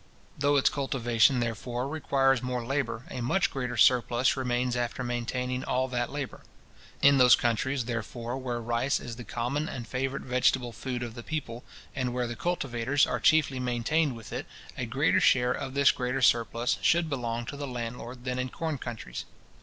Though its cultivation, therefore, requires more labour, a much greater surplus remains after maintaining all that labour. In those rice countries, therefore, where rice is the common and favourite vegetable food of the people, and where the cultivators are chiefly maintained with it, a greater share of this greater surplus should belong to the landlord than in corn countries.